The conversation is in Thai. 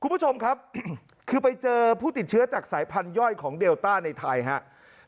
คุณผู้ชมครับคือไปเจอผู้ติดเชื้อจากสายพันธย่อยของเดลต้าในไทยครับ